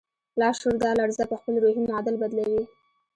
لاشعور دا لړزه پهخپل روحي معادل بدلوي